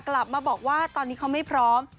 กลับมาบอกว่าตอนนี้เขาไม่พร้อม